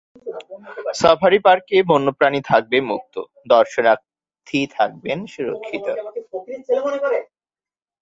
Safari পার্কে বন্যপ্রাণী থাকবে মুক্ত, দর্শনার্থী থাকবেন সুরক্ষিত।